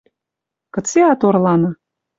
Кыце ат орланы